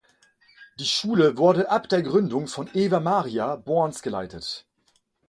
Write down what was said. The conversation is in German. Die Schule wurde ab der Gründung von Eva Maria Borns geleitet.